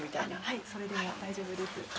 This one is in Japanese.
はいそれでも大丈夫です。